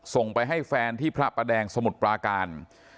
ส่งไปให้แฟนที่พระประแดงสมุทรปราการ